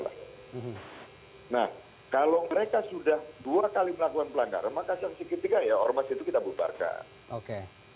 nah kalau mereka sudah dua kali melakukan pelanggaran maka sikit sikit ormas itu kita bubarkan